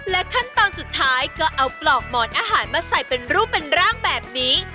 ขั้นตอนสุดท้ายก็เอากรอกหมอนอาหารมาใส่เป็นรูปเป็นร่างแบบนี้